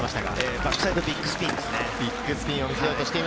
バックサイドビッグスピンでしたね。